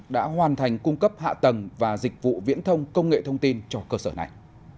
đã hoàn thành cung cấp hạ tầng và dịch vụ viễn thông công nghệ thông tin cho cơ sở này